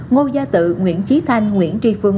ngô gia tự nguyễn trí thanh nguyễn tri phương